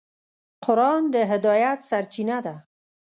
قرآن د هدایت سرچینه ده.